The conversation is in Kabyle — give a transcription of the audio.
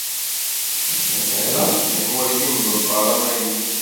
Akabar-a yeḥwaj imḍebber amaynu.